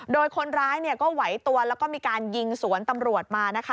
โดยคนร้ายก็ไหวตัวแล้วก็มีการยิงสวนตำรวจมานะคะ